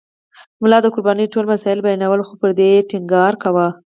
ملا د قربانۍ ټول مسایل بیانول خو پر دې یې ټینګار کاوه.